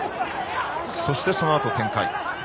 そして、そのあと展開。